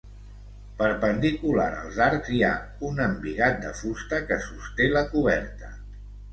Perpendicular als arcs hi ha un embigat de fusta que sosté la coberta.